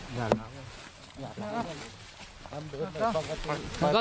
ก็คุณตามมาอยู่กรงกีฬาดครับ